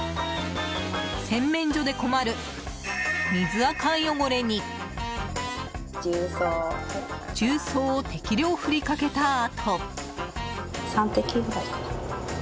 洗面所で困る水あか汚れに重曹を適量振りかけたあと。